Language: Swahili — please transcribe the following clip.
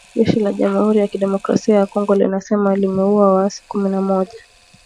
Jeshi la Jamhuri ya Kidemokrasia ya Kongo linasema limeua waasi kumi na moja .